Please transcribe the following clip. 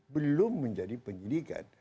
belum menjadi penyelidikan